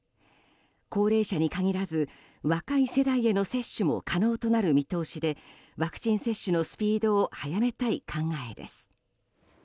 高齢者に限らず若い世代への接種も可能となる見通しでワクチン接種のスピードを早めたい考えです。